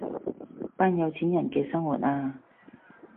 班有錢人嘅生活啊